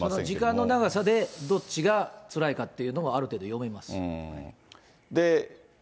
時間の長さでどっちがつらいかっていうのが、ある程度読めます。